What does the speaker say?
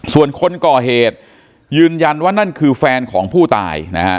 ส่วนคนก่อเหตุยืนยันว่านั่นคือแฟนของผู้ตายนะฮะ